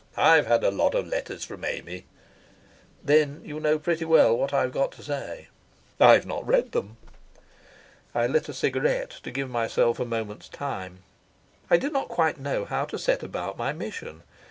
I've had a lot of letters from Amy." "Then you know pretty well what I've got to say." "I've not read them." I lit a cigarette to give myself a moment's time. I did not quite know now how to set about my mission.